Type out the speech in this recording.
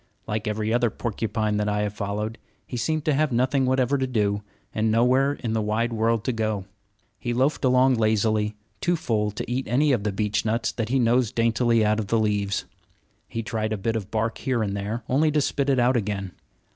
Like every other porcupine that I have followed, he seemed to have nothing whatever to do, and nowhere in the wide world to go. He loafed along lazily, too full to eat any of the beechnuts that he nosed daintily out of the leaves. He tried a bit of bark here and there, only to spit it out again.